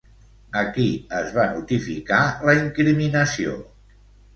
A qui es va notificar la incriminació?